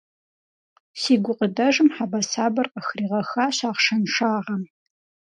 Си гукъыдэжым хьэбэсабэр къыхригъэхащ ахъшэншагъэм.